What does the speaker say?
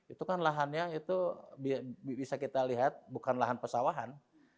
itu kan lahannya itu bisa kita lihat bukan lahan pesawahan